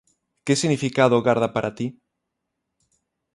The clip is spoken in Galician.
Que significado garda para ti?